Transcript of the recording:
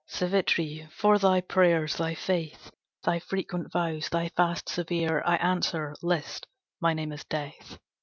"Savitri, for thy prayers, thy faith, Thy frequent vows, thy fasts severe, I answer, list, my name is Death.